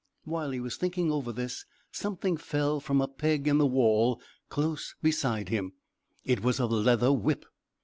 While he was thinking over this, something fell from a peg in the wall, close beside him; it was a leather whip.